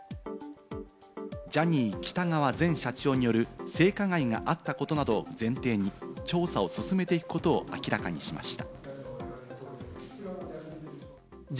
ジャニー喜多川前社長による性加害があったことなどを前提に調査を進めていくことを明らかにしました。